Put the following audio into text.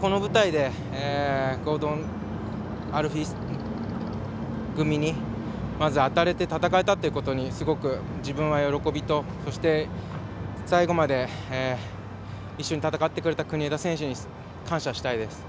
この舞台でゴードン、アルフィー組にまず、当たれて戦えたってことにすごく自分は喜びとそして、最後まで一緒に戦ってくれた国枝選手に感謝したいです。